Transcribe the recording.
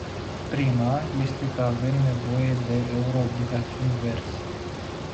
Prima este că avem nevoie de euro-obligațiuni verzi.